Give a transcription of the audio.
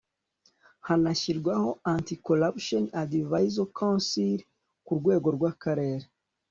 hanashyirwaho anti-corruption advisory council ku rwego rw'akarere